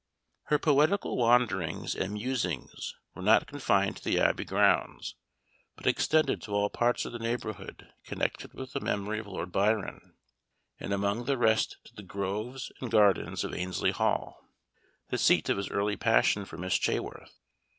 Her poetical wanderings and musings were not confined to the Abbey grounds, but extended to all parts of the neighborhood connected with the memory of Lord Byron, and among the rest to the groves and gardens of Annesley Hall, the seat of his early passion for Miss Chaworth.